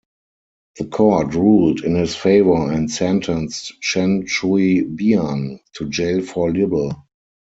The court ruled in his favor and sentenced Chen Shui-bian to jail for libel.